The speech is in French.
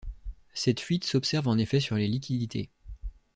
Cette fuite s'observe en effet sur les liquidités.